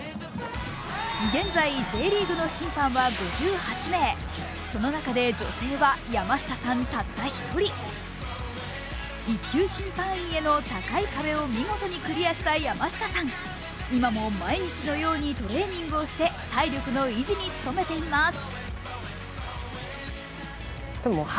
現在、Ｊリーグの審判は５８名、１級審判員への高い壁を見事にクリアした山下さん、今も毎日のようにトレーニングをして体力の維持に努めています。